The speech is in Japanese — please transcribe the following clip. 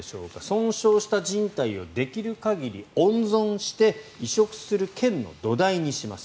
損傷したじん帯をできる限り温存して移植する腱の土台にします。